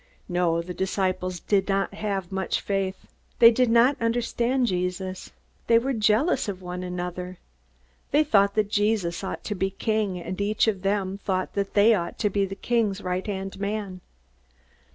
No, the disciples did not have much faith. They did not understand Jesus. They were jealous of one another. They thought that Jesus ought to be a king, and each of them thought that he ought to be the king's right hand man.